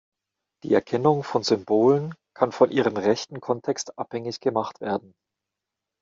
Die Erkennung von Symbolen kann von ihrem rechten Kontext abhängig gemacht werden.